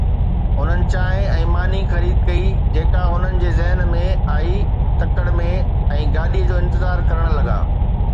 هنن چانهه ۽ ماني خريد ڪئي جيڪا هنن جي ذهن ۾ آئي تڪڙ ۾۽ گاڏيءَ جو انتظار ڪرڻ لڳا.